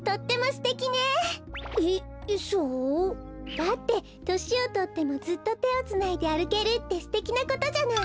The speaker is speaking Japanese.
だってとしをとってもずっとてをつないであるけるってすてきなことじゃない。